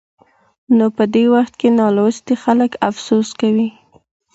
نو په دې وخت کې نالوستي خلک افسوس کوي.